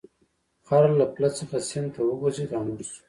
خر له پل څخه سیند ته وغورځید او مړ شو.